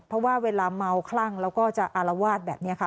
เพราะว่าเวลาเมาคลั่งแล้วก็จะอารวาสแบบนี้ค่ะ